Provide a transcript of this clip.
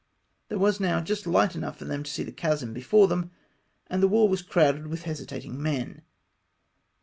There was now j ust light enough for them to see the chasm before them, and the wall was crowded with hesitating men.